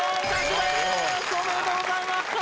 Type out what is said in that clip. おめでとうございます！